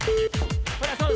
ほらそう。